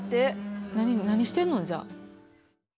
何してんのじゃあ。